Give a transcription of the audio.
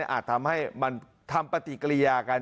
อาจทำให้มันทำปฏิกิริยากัน